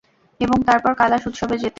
এবং তারপর কালাশ উৎসবে যেতে।